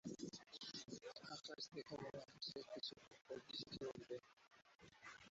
এই সময়ে তিনি ফরাসি ও জার্মান ভাষা শেখেন।